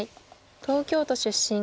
東京都出身。